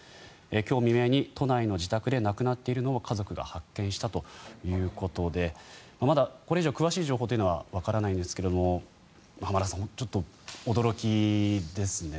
今日未明に都内の自宅で亡くなっているのを家族が発見したということでまだこれ以上詳しい情報というのはわからないんですが浜田さん、ちょっと驚きですね。